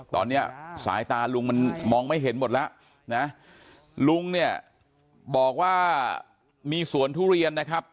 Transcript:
ตอนนี้สายตาลุงมันมองไม่เห็นหมดแล้วนะลุงเนี่ยบอกว่ามีสวนทุเรียนนะครับ